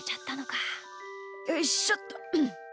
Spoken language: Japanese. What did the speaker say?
よいしょっと。